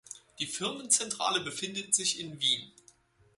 Die Firmenzentrale befindet sich in Wien.